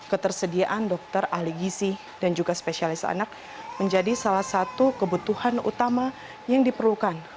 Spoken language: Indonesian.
ketersediaan dokter ahli gizi dan juga spesialis anak menjadi salah satu kebutuhan utama yang diperlukan